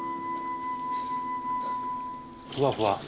ふわふわ。